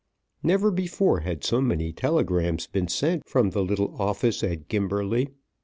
Never before had so many telegrams been sent from the little office at Gimberley.